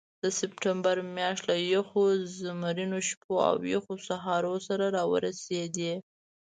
د سپټمبر میاشت له یخو زمرینو شپو او یخو سهارو سره راورسېده.